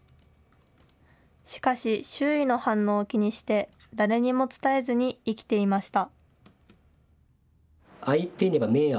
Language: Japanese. しかし周囲の反応を気にして誰にも伝えずに生きていました。